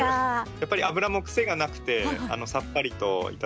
やっぱり脂もクセがなくてさっぱりと頂ける。